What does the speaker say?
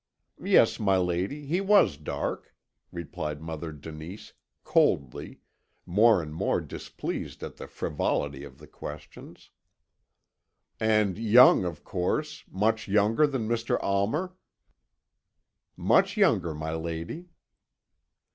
"Yes, my lady, he was dark," replied Mother Denise, coldly, more and more displeased at the frivolity of the questions. "And young, of course much younger than Mr. Almer?" "Much younger, my lady."